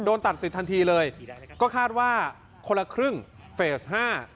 ตัดสิทธิทันทีเลยก็คาดว่าคนละครึ่งเฟสห้า